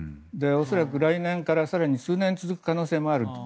恐らく、来年から数年続く可能性があると。